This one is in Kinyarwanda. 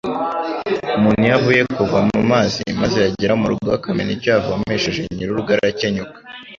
Umuntu iyo avuye kuvoma amazi, maze yagera mu rugo akamena icyo yavomesheje, nyirurugo arakenyuka